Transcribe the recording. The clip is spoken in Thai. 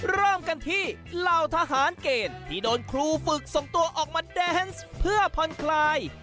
เริ่มกันที่เหล่าทหารเกณฑ์ที่โดนครูฝึกส่งตัวออกมาแดนส์เพื่อผ่อนคลาย